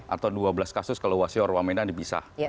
atau dua belas kasus kalau wasir warga menang dibisah